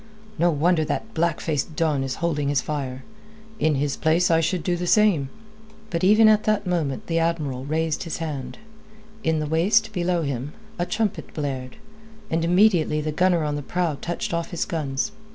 No wonder that black faced Don is holding his fire. In his place, I should do the same." But even at that moment the Admiral raised his hand; in the waist, below him, a trumpet blared, and immediately the gunner on the prow touched off his guns.